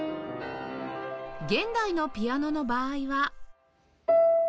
現代のピアノの場合は